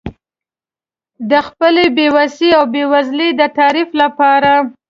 د خپل بې وسۍ او بېوزلۍ د تعریف لپاره.